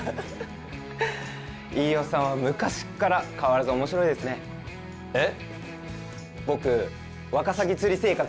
飯尾さんは昔っから変わらず面白いですねえっ？